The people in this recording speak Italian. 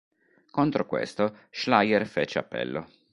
Contro questo Schleyer fece appello.